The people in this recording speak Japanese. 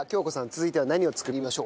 続いては何を作りましょう。